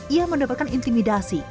ia mendapatkan intimidasi